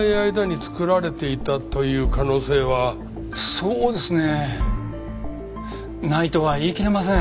そうですねないとは言い切れません。